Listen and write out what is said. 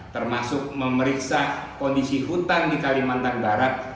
termasuk memeriksa kondisi hutan di kalimantan barat